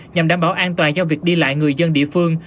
nhằm đảm bảo an toàn cho việc đi lại người dân địa phương